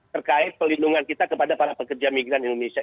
terkait pelindungan kita kepada para pekerja migran indonesia